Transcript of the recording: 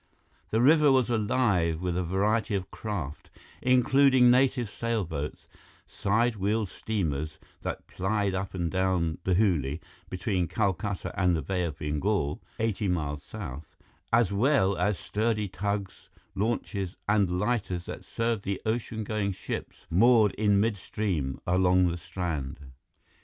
The river was alive with a variety of craft, including native sailboats, side wheel steamers that plied up and down the Hooghly between Calcutta and the Bay of Bengal, eighty miles south, as well as sturdy tugs, launches, and lighters that served the ocean going ships moored in midstream along the strand.